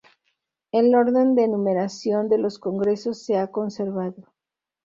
El orden de numeración de los congresos se ha conservado.